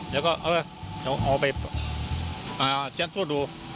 แล้วก็เอาไปเซ็นซูดดู